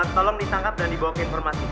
tolong ditangkap dan dibawa ke informasi